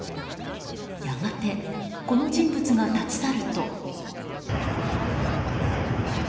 やがてこの人物が立ち去ると。